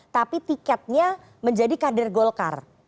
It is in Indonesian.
tapi tiketnya menjadi kader golkar